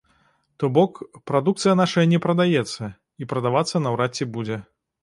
То бок, прадукцыя нашая не прадаецца, і прадавацца наўрад ці будзе.